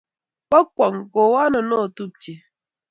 Kakwong Kawoo ano notupche?